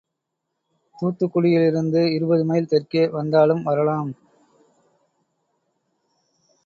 தூத்துக்குடியிலிருந்து இருபதுமைல் தெற்கே வந்தாலும் வரலாம்.